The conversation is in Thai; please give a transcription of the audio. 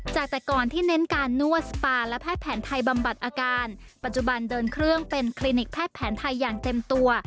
จากแต่ก่อนที่เน้นการนวดสปาและแพทย์แผนไทยบำบัดอาการปัจจุบันเดินเครื่องเป็นคลินิกแพทย์แผนไทยอย่างเต็มตัว